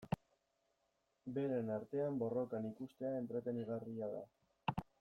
Beren artean borrokan ikustea entretenigarria da.